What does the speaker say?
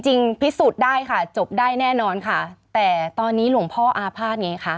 จริงพิสูจน์ได้ค่ะจบได้แน่นอนค่ะแต่ตอนนี้หลวงพ่ออาภาษณ์ไงคะ